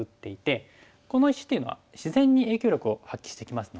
この石っていうのは自然に影響力を発揮してきますので。